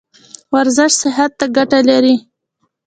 ورزش صحت ته ګټه لري